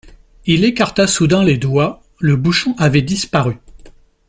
Il écarta soudain les doigts, le bouchon avait disparu.